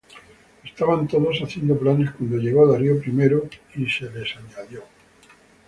Estaban todos haciendo planes cuando llegó Darío I y se les añadió.